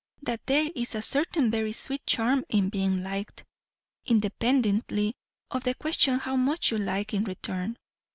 that there is a certain very sweet charm in being liked, independently of the question how much you like in return.